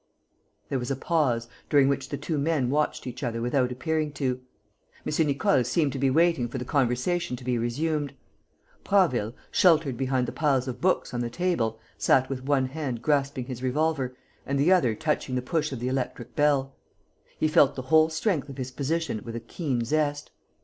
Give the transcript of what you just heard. There was a pause, during which the two men watched each other without appearing to. M. Nicole seemed to be waiting for the conversation to be resumed. Prasville, sheltered behind the piles of books on the table, sat with one hand grasping his revolver and the other touching the push of the electric bell. He felt the whole strength of his position with a keen zest.